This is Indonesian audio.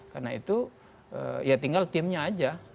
karena itu tinggal timnya saja